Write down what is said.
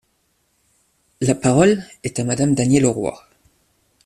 La parole est à Madame Danielle Auroi.